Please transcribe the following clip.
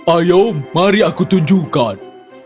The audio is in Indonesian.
ayo mari aku tunjukkan